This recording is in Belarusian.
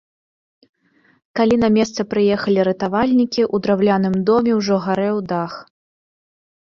Калі на месца прыехалі ратавальнікі, у драўляным доме ўжо гарэў дах.